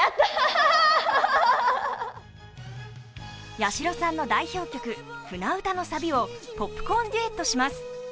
八代さんの代表曲「舟歌」のサビをポップコーンデュエットします。